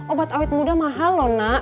obat awet mudah mahal lho nak